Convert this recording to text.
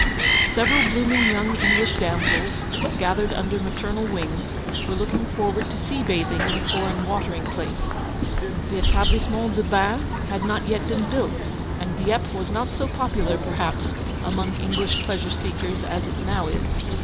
Several blooming young English damsels, gathered under maternal wings, were looking forward to sea bathing in a foreign watering place. The fitablissement des Bains had not yet been built, and Dieppe was not so popular, per haps, among English pleasure seekers as it now is.